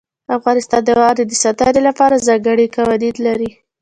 افغانستان د واورې د ساتنې لپاره ځانګړي قوانین لري.